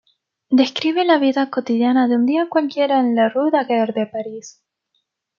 Describe la vida cotidiana de un día cualquiera en la Rue Daguerre de París